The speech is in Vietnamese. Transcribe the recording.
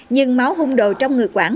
nhưng máu hung đồ trong người quảng